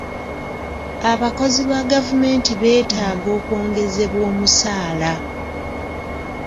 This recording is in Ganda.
Abakozi ba gavumenti beetaaga okwongezebwa omusaala